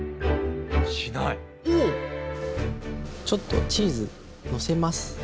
ちょっとチーズのせます。